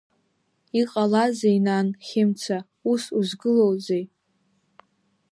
Иҟалазеи, нан, Хьымца, ус узгылоузеи?